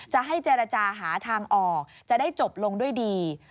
จะให้เจรจาหาทางออกจะได้จบลงด้วยดี